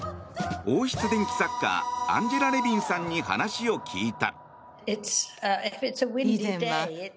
王室伝記作家アンジェラ・レヴィンさんに話を聞いた。